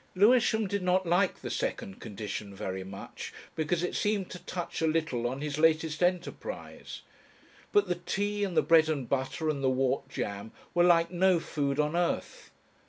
Lewisham did not like the second condition very much, because it seemed to touch a little on his latest enterprise. But the tea and the bread and butter and the whort jam were like no food on earth.